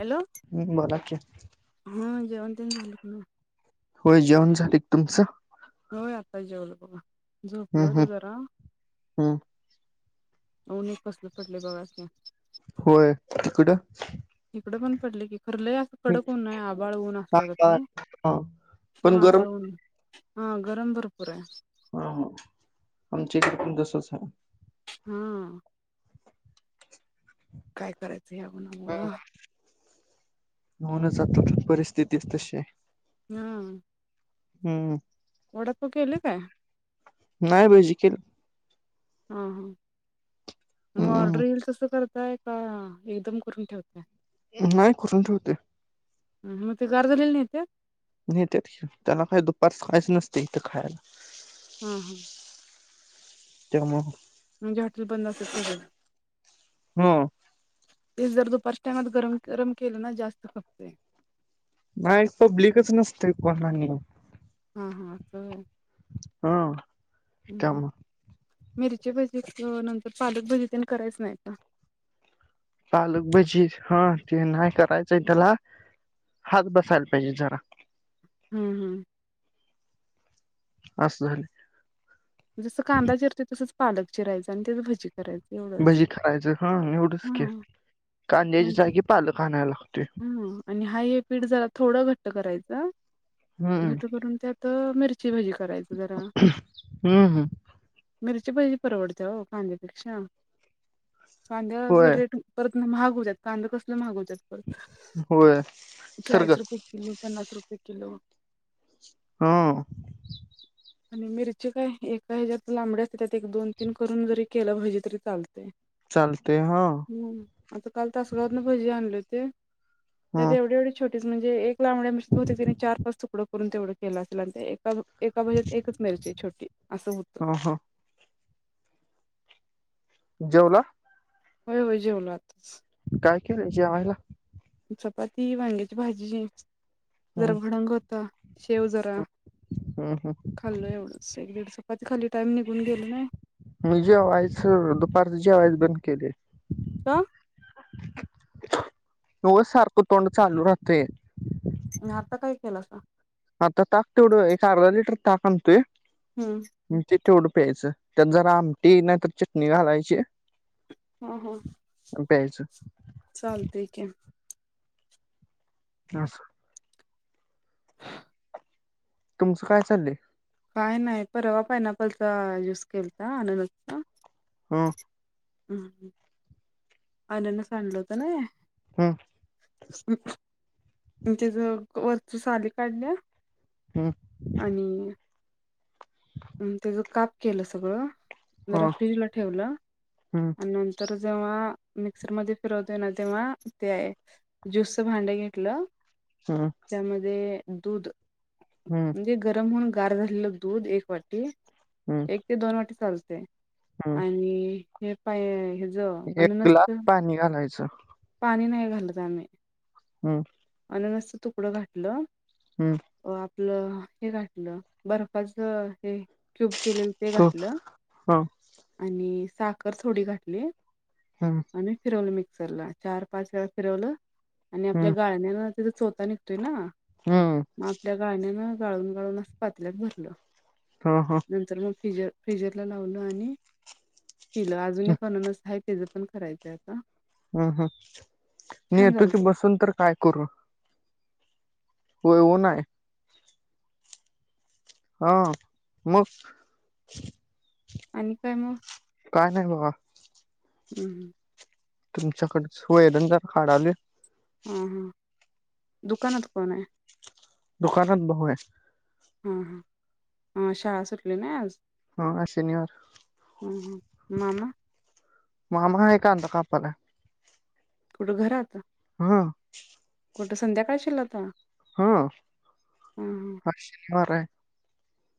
Hello. बोला की. हम्म, जवणतेन झाल का? होय जेवण झाले की, तुमचं? होय आता जेवलो बघा झोपलं होतो जरा हा उन एक कसलं पडलंय बघा की होय तिकडं ईकडं पण पडले की खर लं कडक ऊन आहे आभाळ ऊन हा असल्या गथ हा आहे हा पण हा गरम आभाळ ऊन हा गरम भरपूर आहे हा ह आमच्या इकडे पण तसच आहे हा काय करायचं ह्या उणामुळं म्हनूनच आता परिस्थितीच तशी हाय हम् हम्म वडापाव केली काय नाही भजिकेल हा हा मग ऑर्डर हम्म येईल तसं करताय का एकदम करून ठेवताय नाही करून ठेवतोय ह मग ते गार झालेल न्हेतात न्हेत्यात की त्याला काय दुपार सकाळच नसते इथं खायला हा हा त्या मुळे म्हणजे हॉटेल बंद असतय सगळे हा ते जर दुपारच्या टाइमाला गरम गरम केले ना जास्त खपतेय नाही एक पब्लिकच नसतय कोण आणि हा हा अस होय हां ह मिरची भजी नंतर पालक भजी पण करायच नाही का पालक भजी हा ते नाही करायचंय त्याला हात बसायला पाहिजे जरा हम्म हम्म अस झाले जसं कांदा चिरतोय तसंच पालक चिरायंच आणि तेच भजी करायचं भजी खायच हा एवढंच की कांद्याच्या नाहीतर जागी पालक आणायला लागतोय हा आणि हाय हे पीठ जरा थोडं घट्ट करायचं हम्म. घट करून त्यात तर मिरची भजी करायच जरा हम्म हम् मिरची भजी परवडते हो कांद्यापेक्षा कांद्याच होय रेट परत मग महाग होत्यात कांद कसल महाग होत्यात परत होय सरग चाळीस रुपये किलो पन्नास रुपये किलो हा आणि मिरची काय एकाह्याच्यात लांबड असते त्यात एक दोन तीन करून जरी केलं भजी तरी चालते चालतेय हां आता काल तासगावातन भजी आणले होते हा त्यात एवढी एवढी छोटीच म्हणजे एक लांबड्या मिरचीच बहुतेक त्यांन चार पाच तुकडं करून तेवढं केलं असेल आणि एका एका भजीत एकच मिरची छोटी असं होत हो. जेवला? होय होय जेवलो आताच. काय केलंय जेवायला? चपाती वांग्याची भाजी जरा हम्म भडंग होत शेव जरा हम्म हम्म खाल्ल एवढंच एक दीड चपाती खाल्ली टाइम निघून गेल ना मी जेवायचं दुपारच जेवायचं बंद केलंय का? उगच सारखं तोंड चालू राहतंय म आता काय केलासा? आता ताक तेवढं एक अर्धा लिटर ताक आणतोय हम्म. म ते तेवढं प्यायचं त्यात जरा आमटी नाही तर चटणी घालायची. हां हा आणि प्यायचं चालतंय की असं. तुमचं काय चाललंय? काय नाही परवा पायनॅपलचा ज्यूस केलता अननसचा हम्म. उम हम् अननस आणलं होत नाही हम. अन् तेज वरचं साली काढल्या हम. आणि अन त्याज काप केलं सगळं जरा हा फ्रीजला ठेवलं हम्म आणि नं तर जेव्हा मिक्सरमध्ये फिरवतय ना तेव्हा ते ज्यूसचं भांड घेतलं हां त्यामध्ये दूध हम्म. ते गरम होऊन गार झालेलं दूध एक वाटी हम्म एक ते दोन वाटी चालतंय हम्म आणि हे पाय हेज एक ग्लास अननसच पाणी घालायचं पाणी नाही घालतं आम्ही हम. अननसचं तुकडं घातलं हम. अ आपलं हे घातलं बर्फाच हे क्यूब केलेलं ते तो घातलं ह आणि साखर थोडी घातली हम. आणि फिरवलं मिक्सरला चार पाच वेळा फिरवलं आणि हम्म आपल्या पाळण्याला त्याचा चोथा निघतोय ना हम्म. मग आपल्या गाळणीन गाळून गाळून असं पातील्यात भरलं हा हा. नंतर मग फिजर फ्रिजरला लावलं आणि पिलं अजून एक अननस आहे तेजं पण करायचंय आता हम् हम् मी छान येतो सी झालतं बसून तर काय करू? होय ऊन आय आं मग आणि काय मग काय नाही बाबा उम्ह तुमच्याकड सोये धंदा काढाले हां हां दुकानात कोण आहे? दुकानत बघ आहे हा हा शाळा सुटली नाही आज हा शनिवार ह ह मामा मामा आहे काांता काला कुठं घर आात हा कुठं संध्याकाळ शेलता हार आहे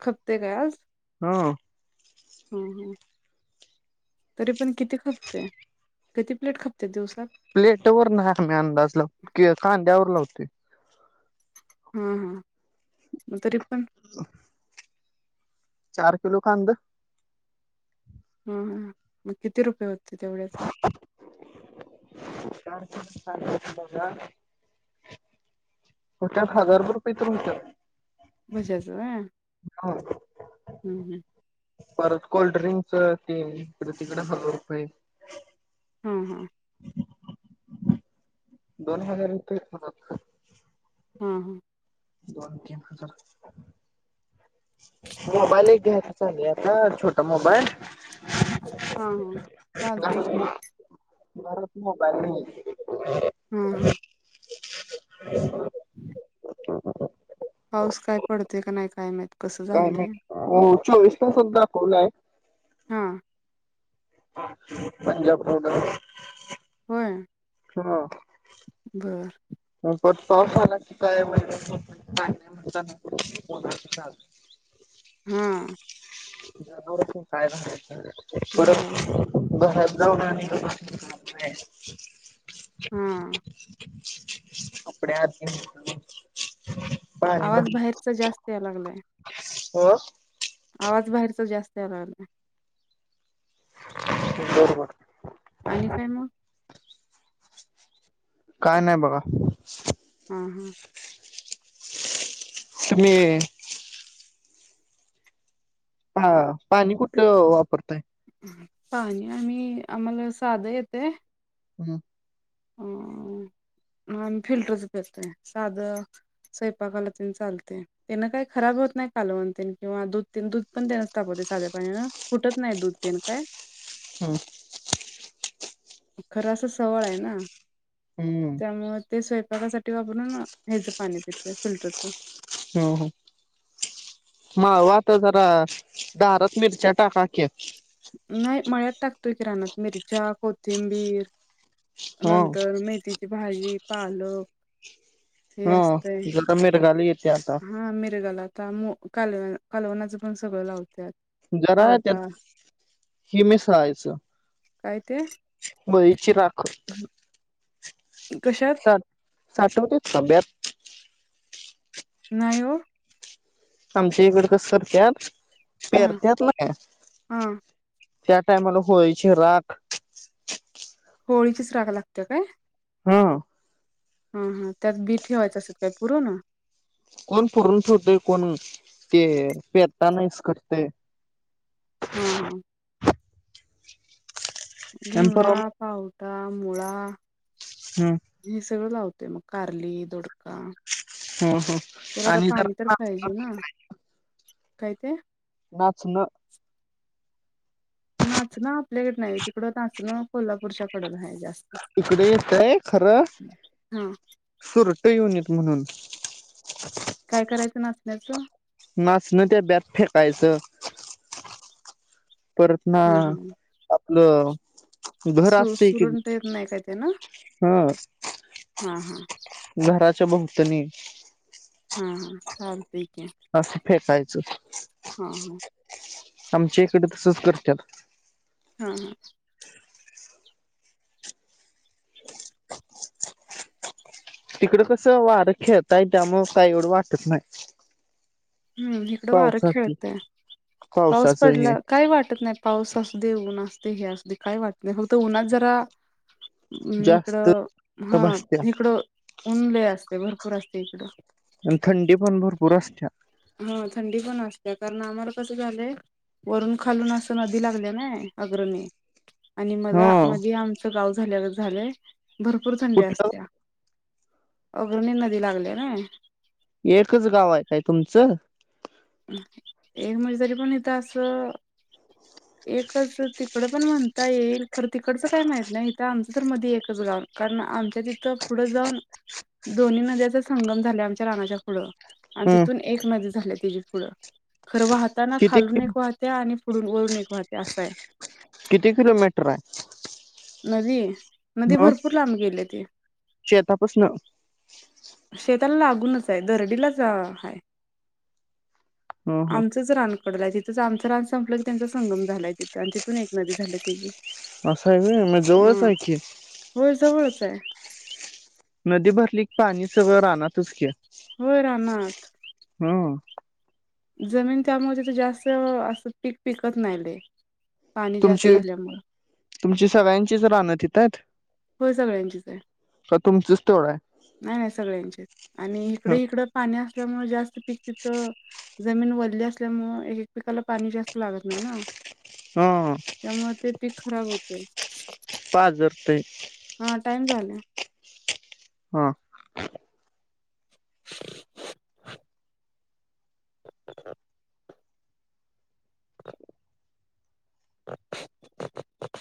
खपते काय आज हा हम्म हम्म. तरी पण किती खपतय किती प्लेट खपतय दिवसात? प्लेट ववर न ममी अंदाज लाव क कांद्यावर लावते हा हा मग तरी पण [unintelligible] चार किलो कांद ह ह मग किती रुपये होते तेवढ्याच का च्यात हजार रुपये तुच्या बजच हा हा हम् हम् परत कोल्ड्रिंकच ते तिकडे हजार रुपये हां हां दोन हजार रुप हा हा दोनकजर मोबाईल एक घ्यायचा चाले आता छोटा मोबाईल हा हा चालत क भारत म ब हम् हम ह ह ह पाऊस काय पडते का नाही काय माहत काय नाही हो चोवीसला सुद् दाखवला आहे हां पंजाब फडर हो हा. बर. [inaudible] हा. घालायचं [unintelligible] [inaudible] हा. कपडे आत घेऊन जातो मग. आवाज बाहेरचा जास्त याय लागलाय. हो. आवाज बाहेरचा जास्त याय लागलाय. बरोबर. आणि काय मग? काय नाही बघा. हां, हां. तुमी. हा, पाणी कुठलं वापरताय? पाणी आणि आम्हाला साधं येतय. हम्म. अ, आम्ही फिल्टरच पितोय, साधं स्वयपाकाला तेन चालतय. त्यांनना काही खराब होत नाही, कालवन तेन किंवा दूध, दूध पण त्यांनच तापवते साध्या पाण्यान फुटत नाही दूध तेन काय? हम्म. खरं अस सवय आहे ना. हम्म. त्यामुळ ते स्वयंपाकासाठी वापरून, हेज पाणी पितोय फिल्टरचं. हम, हम. माळवं ते जरा, दारात मिरच्या टाका की. नाही मळ्यात टाकतू कि रानात. मिरच्या, कोथिंबीर ह नंतर मेथीची भाजी, पालक हे ह असतय, जरा मिरगाली येते आता हा मिरगालाच. त्यामुळ कालवन, कालवनाचं पण सगळं लावत्यात. जरा त्यात, पावटा ही मिसळायचं. काय ते? मळीची राख. कशात? साठवतो खडयात. नाही वो. आमच्या इकड कस करत्यात, हा पेरत्यात हा त्या टाइमाला, होळीची राख. होळीचीच राख लागतीया काय? हा. हा, हा त्यात बी ठेवायचं असतं काय पुरून? कोण पुरून ठेवतोय, कोण ते पेठाण इसकटतंय. हा हा. आणि घेवडा, परवा पावटा, मुळा, हम्म. हे सगळं लावतोय. मग कारली, दोड हम्म त्याला आता आणि जरा पाणी तर पाहिजे ना. काय ते नाचण नाचणं आपल्याकड नाही. तिकडं नाचणं कोल्हापूरच्या कडन आहे जास्त इकडे येतय खरं. हा सुरट येऊ नयेत म्हणून, काय करायचं नाचण्याच? नाचण डब्यात फेकायचं. परत ना हा हा आपलं घर सु असते कि सुरण ते नाही काय ते ना? हा. हा हा. घराच्या भोवतीने हा हा चालते की, अस फेटायचं. हा हा. आमच्या इकडे तसच करत्यात. हा हा. तिकडं कसं वारं खेळताय त्यामूळ काही एवढं वाटत नाही. हम्म. इकडं वारं पावसाच खेळतय. पाऊस पावसाचं हे पडला काय वाटत नाही. पाऊस असूदे. ऊन असुदे. हे असूदे काय वाटत नाही. फक्त उन्हात जरा इकड जास्त हा भासत्या इकडं ऊन लय असते. भरपूर असते इकडं. आणि थंडी पण भरपूर असत्या. हा थंडी पण असते. कारण आम्हाला कसं झालंय वरून खालून असं नदी लागल्या नाही. अग्रणी आणि ह मला मधी आमचं गाव झाल्यावर झालंय भरपूर थंडी कुठलं असत्या. अग्रणी नदी लागले नाही. एकच गाव आहे काय तुमचं? एक म्हणजे तरी पण इथ असं. ह [inaudible] एकच तिकडं पण म्हणता येईल. खरं तिकडचं काय माहीत नाही. आमचं तर मधी एकच गाव कारण आमच्या तिथं पुढं जाऊ. दोन्ही नद्याचा संगम झाला आमच्या रानाच्या पुढं. आणि हम् तिथून एक नदी झाल्या तेची पुढ खरं वाहताना किती खालून एक वाहत्या त्या आणि पुढून वरून एक वाहत्या असा आहे. किती किलोमीटर आहे? नदी नदी ह भरपूर लांब गेल्या ती. शेतापासन शेताला लागूनच आहे दरडीलाच आहे. ह ह आमचंच रान पडलाय. तिथंच आमचं रान संपलं की त्यांचा संगम झालाय तिथ आणि तिथून एक नदी झाल्या. असं आहे होय. मग जवळच आहे की. होय. जवळच आहे. नदी भरली पाणी सगळं राहणारच की. होय राहणार. हम. जमीन त्यामध्ये ते जास्त असं पीक पिकत नाही लई. पाणी जास्त तुमची झाल्यामुळ. तुमची सगळ्यांचीच रान तिथ आहेत? होय सगळ्यांचीच आहे. का तुमचंच तेवढं नाही नाही. सगळ्यांची आहेत. आणि आहे? इकडे इकडं पाणी असल्यामुळे जास्त पिक तिथं जमीन वल्ली असल्यामुळे, एक एक पीकाला पाणी जास्त लागत नाही ना. हा. त्यामुळे ते पीक खराब होतय. पाजरतय. हा टाइम झाला. हा. [inaudible] [inaudible] [inaudible] [inaudible]